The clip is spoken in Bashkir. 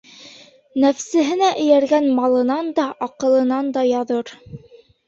Нәфсеһенә эйәргән малынан да, аҡылынан да яҙыр.